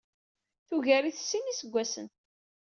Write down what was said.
Tugar-it s sin n yiseggasen.